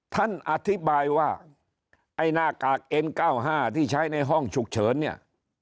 ท่านอธิบายไว้ไหน้าไอ้หน้ากากเอ็นเก้าห้าที่ใช้ในห้องฉุกเฉินเนี่ย